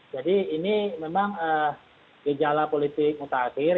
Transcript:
jadi ini memang gejala politik mutakhir